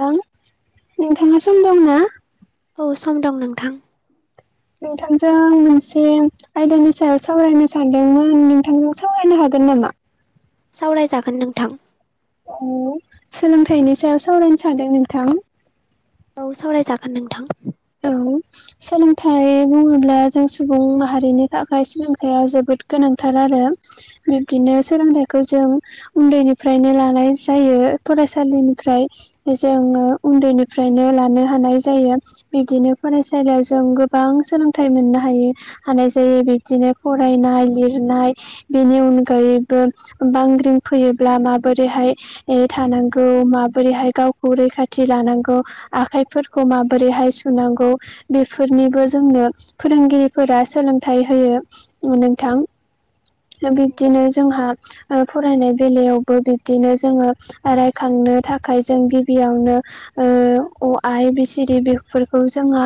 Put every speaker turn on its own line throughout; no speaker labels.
थां नोंथाङा सम दं ना?
औ सम दं नोंथां।
नोंथांजों आं मोनसे आयदानि सायाव सावरायनो सानदोंमोन नोंथांङा सावरायनो हागोन गोननामा?
सावरायजागोन नोंथां।
औ सोलोंथाइनि सायाव सावरायनो सानदों नोंथां।
औ सावरायजागोन नोंथां।
औ सोलोंथाइ बुङोब्ला जों सुबुं माहारिनि थाखाय सोलोंथाइया जोबोद गोनांथार आरो। बिब्दिनो सोलोंथाइखौ जों उन्दैनिफ्रायनो लानाय जायो फरायसालि निफ्राय जोङो उन्दैनिफ्रायनो लानो हानाय जायो। बिदिनो फरायसालियाव जों गोबां सोलोंथाइ मोननो हायो हानाय जायो बिब्दिनो फरायना नाय लिरनाय बेनि अनगायैबो बांग्रिं फैयोब्ला माबोरैहाय थानांगौ माबोरैहाय गावखौ रैखाथि लानांगौ आखाइफोरखौ माबोरैहाय सुनांगौ बेफोरनिबो जोंनो फोरोंगिरिफोरा सोलोंथाइ होयो नोंथां।
[inaudible]
बिब्दिनो जोंहा फरायनाय बेलायावबो बिब्दिनो जोङो रायखांनो थाखाय जों गिबियावनो ओ अ आ इबि सि दि बे फोरखौ जोंहा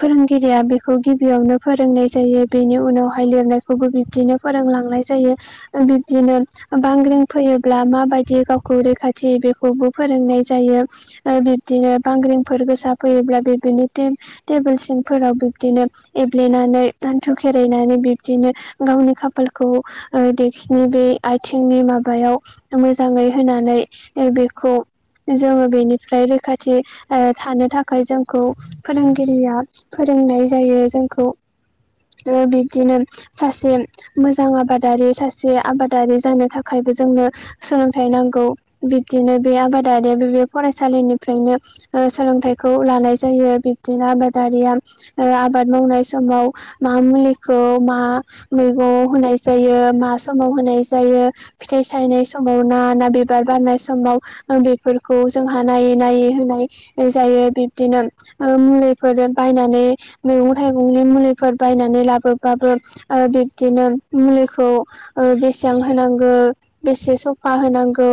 फोरोंगिरिया बेखौ गिबियावनो फोरोंनाय जायो बेनि उनावहाय लिरनायखौ खौबो बिबदिनो फोरोंलांनाय जायो बिब्दिनो बांग्रिं फैयोब्ला माबायदि गावखौ रैखाथि बेखौबो फोरोंनाय जायो ओ बिबदिनो बांग्रिंफोर गोसा फैयोब्ला बे बिनि टे-टेबोल सिंफोराव बिब्दिनो एब्लेनानै हान्थु खेरायनानै बिब्दिनो गावनि खाफालखौ देक्सिनि बे आथिंनि माबायाव मोजाङै होनानै नै बेखौ जोङो बेनिफ्राय रैखाथि थानो थाखाय जों खौ फोरोंगिरिया फोरोंनाय जायो जोंखौ। ओ बिब्दिनो सासे मोजां आबादारि सासे आबादारि जानो थाखाय जोंनो सोलोंथाइ नांगौ बिब्दिनो बे आबादारिया बे फरायसालिनिफ्रायनो ओ सोलोंथाइखौ लानाय जायो बिब्दिनो आबादारिया आबाद मावनाय समाव मा मुलिखौ मा मैगंङाव होनाय जायो मा समाव होनाय जायो फिथाइ सायनाय समाव ना ना बे बिबार बारनाय समाव ओ बेफोरखौ जोंहा नायै नायै होनाय जायो बिब्दिनो ओ मुलिफोर बायनानै मैगं थाइगंनि मुलिफोर बायनानै लाबोब्लाबो ओ बिब्दिनो मुलिखौ ओ बेसेबां होनांगौ बेसे सफा होनांगौ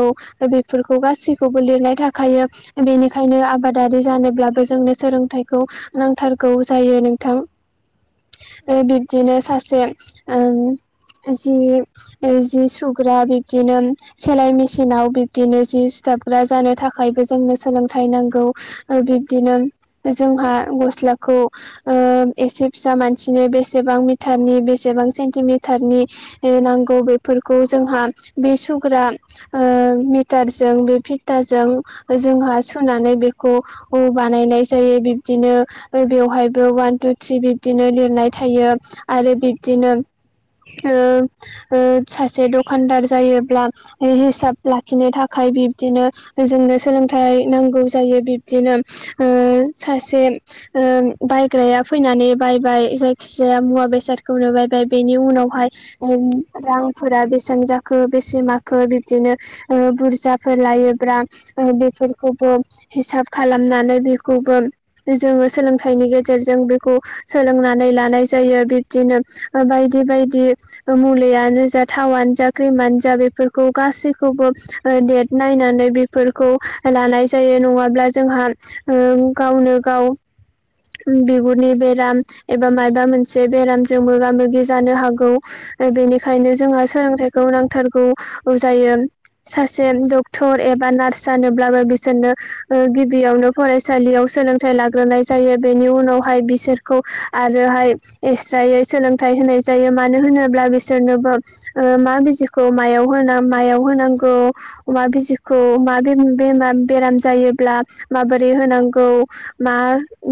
बेफोरखौ गासैखौबो लिरनाय थाखायो बेनिखायनो आबादारि जानोब्लाबो जोंनो सोलोंथाइखौ नांथारगौ जायो नोंथां ओ बिब्दिनो सासे से ओम जि ओ जि सुग्रा बिब्दिनो सेलाय मेसिनाव बिब्दिनो जि जाबग्रा जानो थाखायबो जोंनो सोलोंथाइ नांगौ ओ बिब्दिनो जोंहा गस्लाखौ ओ एसे फिसा मानसिनो बेसेबां मिटारनि बेसे बेसेबां सेनटिमिटारनि नांगौ बेफोरखौ जोंहा बे सुग्रा ओ मिटारजों बे फिटारजों जोंहा सुनानै बेखौ बानायनाय जायो बिब्दिनो बेवहायबो वान टु थ्रि बिब्दिनो लिरनाय थायो आरो बिब्दि बिदिनो ओ ओ सासे दखानदार जायोब्ला हिसाब लाखिनो थाखाय बिब्दिनो जोंनो सोलोंथाइ नांगौ जायो बिब्दिनो ओ सासे ओ बायग्राया फैनानै बायबाय जायखिजाया मुवा बेसादखौ नुबाय ओमफ्राय बेनि उनावहाय उम रांफोरा बेसेबां जाखो बेसे माखो बिब्दिनो ओ बुरजाफोर लायोब्ला बेफोरखौबो हिसाब खालामनानै बे खौबो जोङो सोलोंथाइनि गेजेरजों बेखौ सोलोंनानै लानाय जायो ।बिब्दिनो ओ बायदि बायदि ओ मुलियानो जा थावानो जा क्रिमानो जा बेफोरखौ गासैखौबो बो ओ देट नायनानै बेफोरखौ लानाय जायो नङाब्ला जोंहा ओ गावनो गाव बिगुरनि बेराम एबा मायबा मोनसे बेरामजों मोगा मोगि जानो हागौ। ओ बेनिखायनो जोंहा सोलोंथाइखौ नांथारगौ जायो। सासे डक्टर एबा नार्स जानोब्लाबो बिसोरनो ओ गिबियावनो फरायसालियाव सोलोंथाइ लाग्रोनाय जायो। बेनि उनावहाय बिसोरखौ आरोहाय एसट्रायै सोलोंथाइ होनाय जायो मानो होन होनोब्ला बिसोरनो बो मा बिजिखौ मायाव होनां मायाव होनांगौ मा बिजि जेखौ मा बेराम जायोब्ला माबोरै होनांगौ मा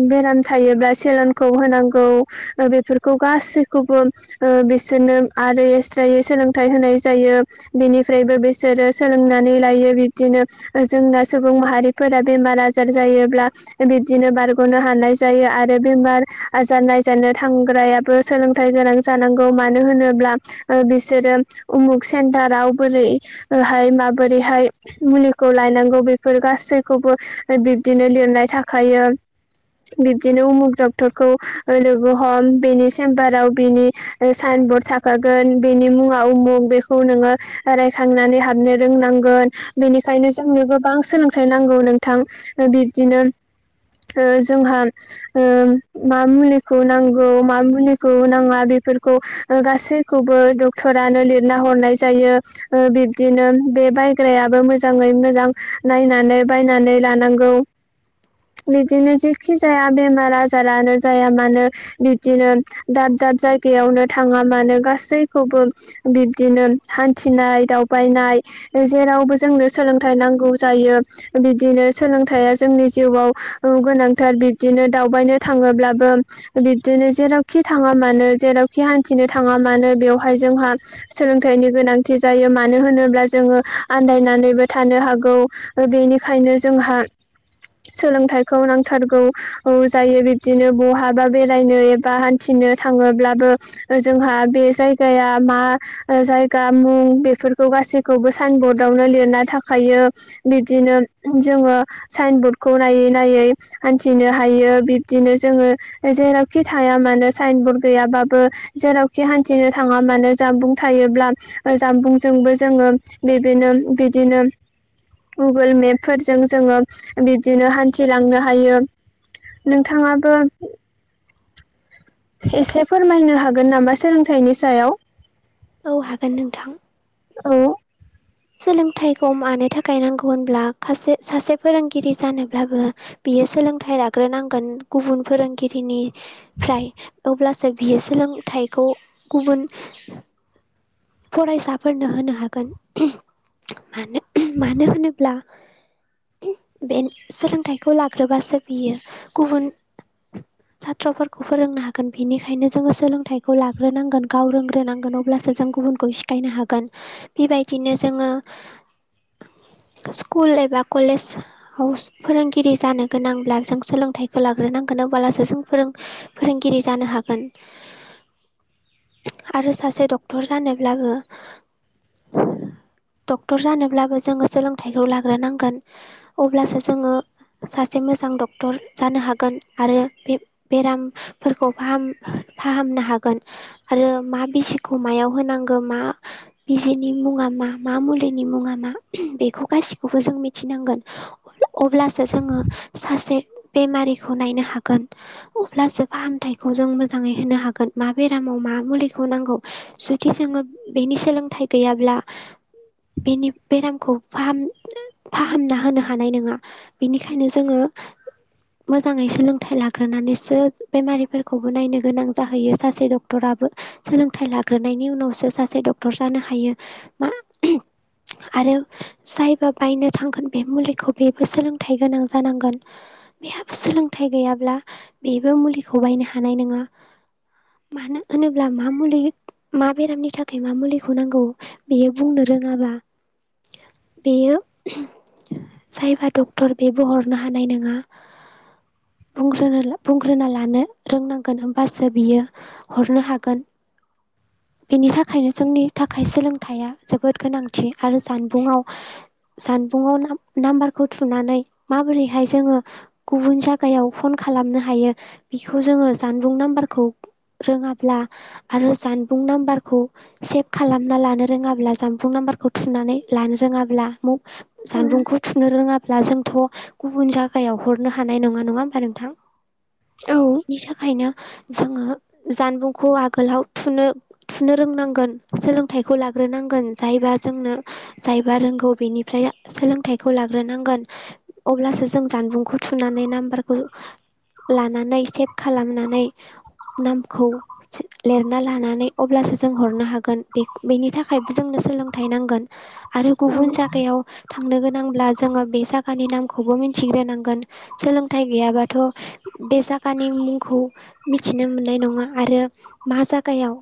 बेराम थायोब्ला सेलेनखौ होनांगौ बेफोरखौ गासैखौबो ओ बिसोर नो आरो एक्सट्रायै सोलोंथाइ होनाय जायो बिनिफ्रायबो बिसोरो सोलोंनानै लायो बिबदिनो जोंना सुबुं माहारिफोरा बेमार आजार जायोब्ला बिदिनो बार- ग'नो हानाय जायो आरो बेमार आजार नायजानो थांग्रायाबो सोलोंथाइ गोनां जानांगौ मानो होनोब्ला बिसोरो उमुक सेन्टाराव बोरैहाय माबोरैहाय मुलिखौ लायनांगौ बेफोर गासैखौबो बिब्दिनो लिरनाय थाखायो
[inaudible]
बिबदिनो उमुक डक्टरखौ लोगो हम बिनि सेम्बाराव बिनि साइन बरर्ड थाखागोन बेनि मुङा उमुख बेखौ नोङो रायखांनानै हाबनो रोंनांगोन बेनिखायनो जोंनो गोबां सोलोंथाइ नांगौ नोंथां बिब्दिनो ओ जोंहा ओ मा मुलिखौ नांगौ मा मुलिखौ नाङा बेफोर खौ गासैखौबो डक्टरानो लिरना हरनाय जायो बिब्दिनो बे बायग्रायाबो मोजाङै मोजां नायनानै बायनानै लानांगौ
[inaudible]
बिबदिनो जेखि जाया बेमार आजारानो जाया मानो बिब्दिनो दाब दाब जाय- गायावनो थाङा मानो गासैखौबो बिब्दिनो हान्थिनाय दावबायनाय जेरावबो जोंनो सोलोंथाइ नांगौ जायो बिबदिनो सोलोंथाइया जोंनि जिउआव गोनांथार बिबदिनो दावबायनो थाङोब्लाबो बिब्दिनो जेरावखि थाङा मानो जेरावखि हान्थिनो थाङा मानो बेवहाय जोंहा सोलोंथाइनि गोनांथि जायो मानो होनोब्ला जों जोङो आन्दायनानैबो थानो हागौ बेनिखायनो जोंहा
[inaudible]
सोलोंथाइखौ नांथारगौ जायो बिब्दिनो बहाबा बेरायनो एबा हान्थिनो थां ङोब्लाबो जोंहा बे जायगाया मा जायगा मुं बेफोरखौ गा- सैखौबो साइन बर्डआवनो लिरना थाखायो बिदिनो जोङो साइन बर्ड खौ नायै नायै हान्थिनो हायो बिब्दिनो जोङो जेरावखि थाया मानो साइन बर्द गैयाबो जेरावखि हान्थिनो थाङा मानो जानबुं थायोब्ला जानबुंजोंबो जोङो बिदिनो बिदिनो गुगोल मेप फोरजों जोङो बिब्दिनो हान्थिलांनो हायो नोंथाङाबो एसे फोरमायनो हागोन नामा सोलोंथाइनि सायाव
औ हागोन नोंथां।
औ
सोलोंथाइखौ मानो थाखाय नांगौ होनब्ला सासे फोरोंगिरि जानोब्लाबो बियो सोलोंथाइ लाग्रोनांगोन गुबुन फोरोंगिरिनि फ्राय अब्लासो बियो सोलोंथाइखौ गुबुन फरायसाफोरनो होनो हागोन मानो होनोब्ला बे सोलोंथाइखौ लाग्रोबासो बियो गुबुन [inaudible] साथ्रफोरखौ फोरोंनो हागोन बेनिखायनो जोङो सोलोंथाइखौ लाग्रोनांगोन गाव रोंग्रोनांगोन अब्लासो जों गुबुन खौ सिखायनो हागोन बेबायदिनो जोङो स्कुल एबा कलेजाव फोरोंगिरि जानो गोनांब्ला जों सोलोंथाइखौ लाग्रोनांगोन। अब्लासो जों फोरोंगिरि जानो हागोन। आरो सासे डक्टर जानोब्लाबो डक्टर जानोब्लाबो जोङो सोलोंथाइखौ लाग्रोनांगोन अब्लासो जोङो सासे मोजां डक्टर जानो हागोन आरो बे बेरामफोरखौ फाहाम- फाहामनो हागोन आरो मा बिजिखौ मायाव होनांगौ मा बिजिनि मुङा मा मा मुलिनि मुङा मा बेखौ गासिखौबो जों मिथिनांगोन अब्लासो जोङो सासे बेमारिखौ नायनो हागोन अब्लासो फाहामथाय खौ जों मोजाङै होनो हागोन मा बेरामाव मा मुलिखौ नांगौ । जुदि जों नोङो बेनि सोलोंथाइ गैयाब्ला बेनि बेरामखौ फाहाम फाहामना होनो हानाय नङा बेनिखायनो जोङो मोजाङै सोलोंथाइ लाग्रोनानैसो बेमारिफोरखौबो नायनो गोनां जाहैयो सासे डक्टरा सोलोंथाइ लाग्रायनि उनावसो सासे डक्टर जानो हायो मा आरो जायबा बायनो थांगोन बे मुलिखौ बेबो सोलोंथाइ गोनां जानांगोन। बेहाबो सोलोंथाइ गैयाब्ला बेबो मुलिखौ बायनो हानाय नङा। मानो होनोब्ला मा मुलि मा बेरामनि थाखाय मा मुलिखौ नांगौ बेयो बुंनो रोङाबा बेयो जायबा डक्टर बेबो हरनो हानाय नङा। बुंग्रोनो बुंग्रोना लानो रोंनांगोन होमबासो बियो हरनो हागोन। [inaudible] बेनि थाखायनो जोंनि थाखाय सोलोंथाइया जोबोद गोनांथि आरो जानबुङाव जानबुङाव नाम्बारखौ थुनानै माबोरैहाय जोङो गुबुन जायगायाव फन खा लामनो हायो बेखौ जोङो जानबुं नाम्बारखौ रोङाब्ला आरो जानबुं नाम्बार खौ सेभ खालामना लानो रोङाब्ला जानबुं नाम्बारखौ थुनानै लानो रोङाब्ला मुं
औ
जानबुंखौ थुनो रोङा ब्ला जोंथ' गुबुन जागायाव हरनो हानाय नङा नङा ओमबा मबा नोंथां।
औ
बिनि थाखायनो जोङो जानबुंखौ आगोलाव थुनो थुनो रोंनांगोन सोलोंथाइखौ लाग्रोनांगोन जायबा जोंनो जायबा रोंगौ बेनिफ्राय सोलोंथाइखौ लाग्रोनांगोन अब्लासो जों जानबुंखौ थुनानै नाम्बारखौ लानानै सेभ खालामनानै नामखौ लिरना लानानै अब्लासो जों हरनो हागोन बेनि थाखायबो जोंनो सोलोंथाइ नांगोन आरो गुबुन जगायाव थांनो गो नाब्ला जोङो बे जायगानि नामखौबो मिथिग्रोनो नांगोन सोलोंथाइ गैयाबाथ' बे जा गानि मुंखौ मिथिनो मोननाय नङा आरो मा जागायाव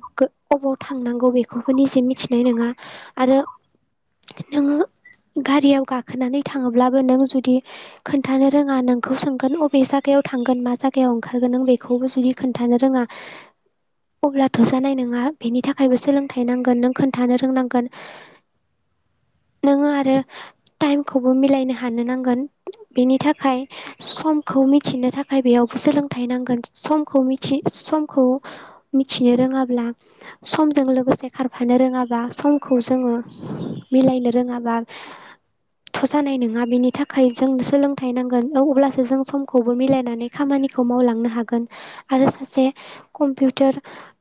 अबाव थांनांगौ बेखौबो निजे मिथिनाय नङा आरो नों गारियाव गाखोनानै थाङोब्लाबो नों जुदि खोन्थानो रोङा नोंखौ सोंगोन अबे जायगायाव अबाव थांगोन मा जागायाव ओंखारगोन नों बेखौबो जुदि खोन्थानो रोङा अब्लाथ' जानाय नङा। बेनि थाखायबो सोलोंथाइ नांगोन नों खोन्थानो रोंनांगोन नोङो आरो टाइमखौबो मिलायनो हानो नांगोन बेनि थाखाय सम खौ मिथिनो थाखाय बेयावबो सोलोंथाइ नांगोन समखौ समखौ मिथिनो रोङाब्ला समजों लोगोसे खारफानो रोङाबा समखौ जोङो मिलायनो रोङाबा थ' जानाय नङा बेनि थाखाय जोंनो सोलोंथाइ नांगोन अब्लासो जों समखौबो मिलायनानै खामानि खौ मावलांनो हागोन आरो सासे कम्पुटार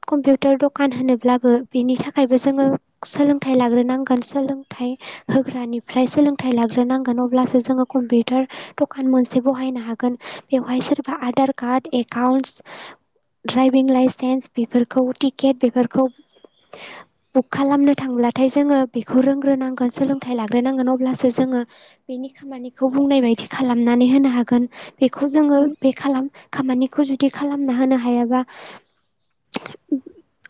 कम्पुटारन द कान होनोब्लाबो बिनि थाखायबो जोङो सोलोंथाइ लाग्रोनांगोन सोलोंथाइ होग्रानि फ्राय सोलोंथाइ लाग्रोनांगोन अब्लासो जोङो कम्पिउटार दखान मोनसे बहायनो हागोन बेवहाय सोरबा आधार कार्ड एकाउनस द्रायभिं लाइसेन्स बेफोरखौ टिकेट बेफोरखौ बुक खालामनो थांब्लाथाय जोङो बेखौ रोंग्रोनांगोन सोलोंथाइ लारोनांगोन अब्लासो जोङो बिनि खामानिखौ बुंनाय बादि खालामनानै होनो हागोन। बेखौ जोङो
औ
बे खालाम खामानिखौ जुदि खालामना होनो हायाबा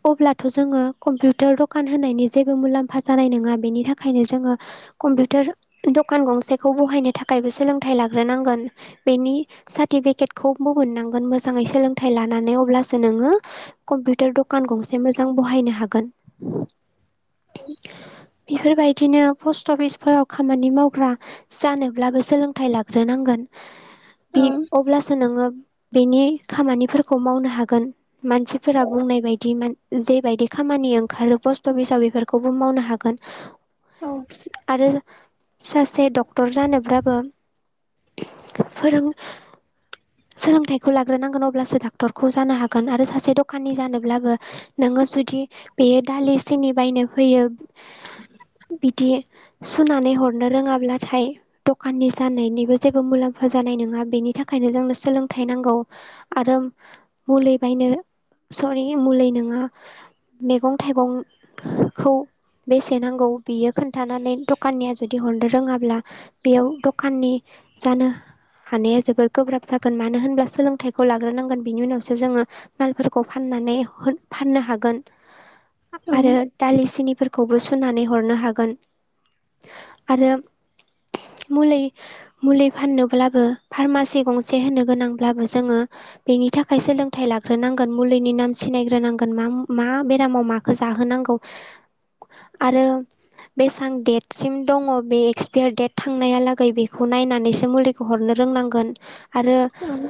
अब्लाथ' जोङो कम्पिउटार दखान होनायनि जेबो मुलाम्फा जानाय नङा बेनि थाखायनो जोङो कम्पिउटार दखान गंसेखौ बहायनो थाखायबो सोलोंथाइ लाग्रोनांगोन बेनि सा रतिफिकेत बहनांगोन मोजाङै सोलोंथाइ लानानै अब्लसो नोङो कम्पुटार द कान गंसे मोजां बहायनो हागोन।
औ
बेफोरबायदिनो पस्ट अफिसफोराव खामानि मावग्रा जानोब्लाबो सोलोंथाइ लाग्रोनांगोन अब्लासो नोङो बेनि खामानिफोरखौ मावनो हागोन मानसिफोरा बुंनाय बायदि दिमोन जेबायादि खामानि ओंखारो पस्ट अफिसाव बेफोरखौबो मावनो हागोन।
औ
आरो सासे डक्टर जानोबाबो फोरों सोलोंथाइखौ लाग्रोनांगोन अब्लासो डाक्टरखौ जानो हागोन आरो सासे दखाननि जानोब्लाबो नोङो जुदि बेयो दालि सिनि बायनो फैयो बिदि सुनानै हरनो रोङाब्लाथाय दखाननि जानायनिबो जेबो मुलाम्फा जानाय नङा बेनि थाखायनो जोंनो सोलोंथाइ नांगौ आरो मुलि बायनो सरि मुलि नङा मैगं थाइगंखौ बेसे नांगौ बियो खोन्थानानै दखाननिया जुदि हरनो रोङाब्ला बेयाव दखाननि जानो हानाया जोबोर गोब्राब जागोन मानो होनब्ला सोलोंथाइखौ लाग्रोनांगोन बिनि उनावसो जोङो मालफोरखौ फान ना नै फाननो हागोन आरो
औ
दालि सिनिफोर खौबो सुनानै हरनो हागोन आरो मलि मुलि फाननोब्लाबो फार्मासि गंसे होनो गोनांब्लाबो जोङो बेनि थाखाय सोलोंथाइ लाग्रोनांगोन मुलिनि नाम सिनायग्रोनांगोन मा मा बेरामाव माखौ जाहोनांगौ आरो बेसेबां डेटसिम दङ बे एक्सपयार डेट थांनायालागै बेखौ नायनानैसो मुलिखौ हरनो रोंनांगोन आरो
औ